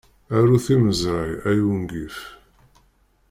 Aru timezray, ay ungif!